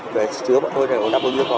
để trả chứa mọi người đáp ứng yêu cầu